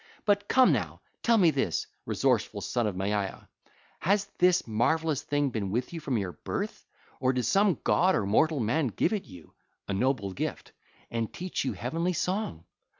But come now, tell me this, resourceful son of Maia: has this marvellous thing been with you from your birth, or did some god or mortal man give it you—a noble gift—and teach you heavenly song?